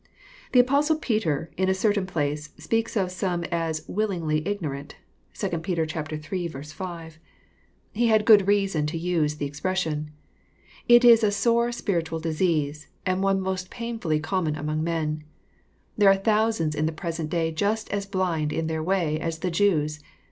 The Apostle Peter, in a certain place, speaks of some as " willingly ignorant." (2 Pet. iii^ 5.) He had good n 28 EXPOsrroRT thoughts. reason to use the expression. It is a sore spiritual disease, and one most painfully common among men. There are thousands in the present day just as blind in their way as the Jews.